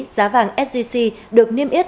giá vàng sgc được niêm ép